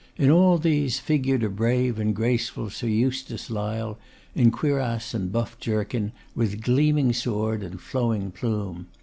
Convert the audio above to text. In all these figured a brave and graceful Sir Eustace Lyle, in cuirass and buff jerkin, with gleaming sword and flowing plume.